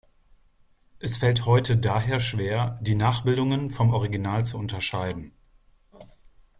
Es fällt heute daher schwer, die Nachbildungen vom Original zu unterscheiden.